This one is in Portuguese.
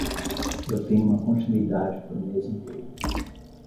Eu tenho uma continuidade por um mês inteiro.